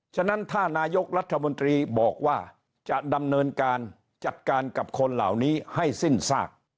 ฉะนั้นถ้านายกรัฐมนตรีบอกว่าจะดำเนินการจัดการกับคนเหล่านี้ให้สิ้นซาก